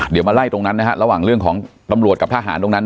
เดี๋ยวมาไล่ตรงนั้นระหว่างเรื่องของธรรมโลศกับทหาร